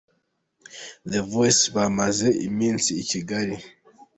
The Voice bamaze iminsi i Kigali.